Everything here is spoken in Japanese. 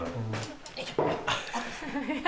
よいしょ。